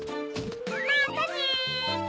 またね！